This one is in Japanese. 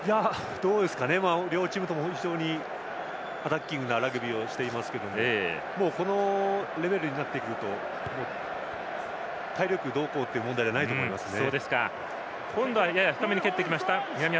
両チームとも非常にアタッキングなラグビーをしてますけどこのレベルになってくると体力どうこうの問題ではないと思いますね。